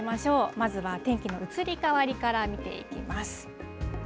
まずは天気の移り変わりから見ていきます。